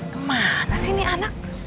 kemana sih nih anak